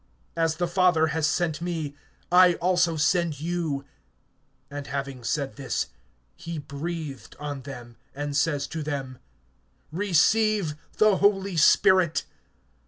As the Father has sent me, I also send you. (22)And having said this, he breathed on them, and says to them: Receive the Holy Spirit.